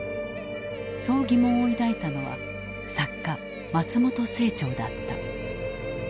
そう疑問を抱いたのは作家松本清張だった。